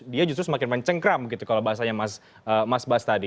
dia justru semakin mencengkram gitu kalau bahasanya mas bas tadi